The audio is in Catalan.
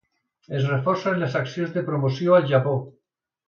Es reforcen les accions de promoció al Japó.